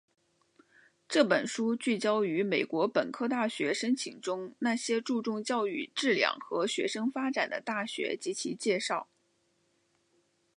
这本书聚焦于美国本科大学申请中那些注重教育质量和学生发展的大学及其介绍。